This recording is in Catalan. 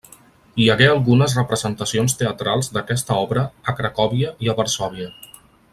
Hi hagué algunes representacions teatrals d'aquesta obra a Cracòvia i a Varsòvia.